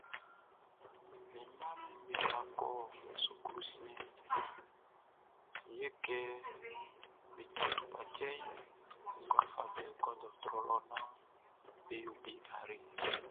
Mi mmaʼm be kwla kɔ suklu siɛnʼn, yɛ kɛ be tɔ tukpacɛʼn, n kwla fa be kɔ dɔɔtrɔ lɔ naan be yo be ayre.